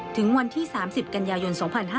ถึงวันที่๓๐กันยายน๒๕๕๙